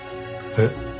えっ？